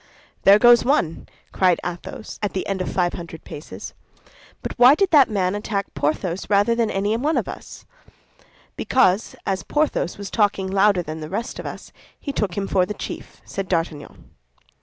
"There goes one!" cried Athos, at the end of five hundred paces. "But why did that man attack Porthos rather than any other one of us?" asked Aramis. "Because, as Porthos was talking louder than the rest of us, he took him for the chief," said D'Artagnan.